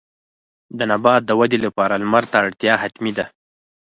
د نبات د ودې لپاره لمر ته اړتیا حتمي ده.